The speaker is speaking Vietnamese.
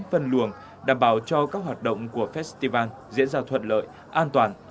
phân luồng đảm bảo cho các hoạt động của festival diễn ra thuận lợi an toàn